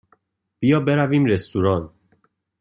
بیا برویم رستوران.